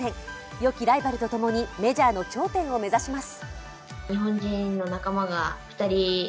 よきライバルと共にメジャーの頂点を目指します。